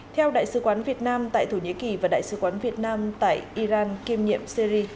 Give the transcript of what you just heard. theo đại sứ quán việt nam tại thổ nhĩ kỳ và đại sứ quán việt nam tại iran kiêm nhiệm syri